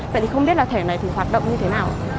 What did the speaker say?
vậy thì không biết là thẻ này thì hoạt động như thế nào